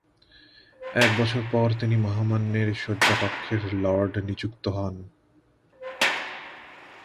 এক বছর পর, তিনি মহামান্যের শয্যাকক্ষের লর্ড নিযুক্ত হন।